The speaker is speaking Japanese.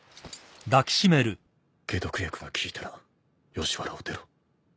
解毒薬が効いたら吉原を出ろ。